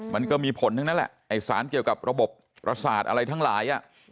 มันก็มีผลทั้งนั้นแหละไอ้สารเกี่ยวกับระบบประสาทอะไรทั้งหลายอ่ะ